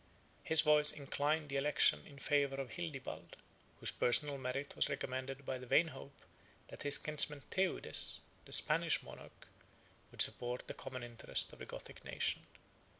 His voice inclined the election in favor of Hildibald, whose personal merit was recommended by the vain hope that his kinsman Theudes, the Spanish monarch, would support the common interest of the Gothic nation.